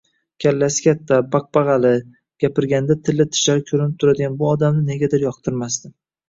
Kallasi katta, bagʻbaqali, gapirganida tilla tishlari koʻrinib turadigan bu odamni negadir yoqtirmasdim.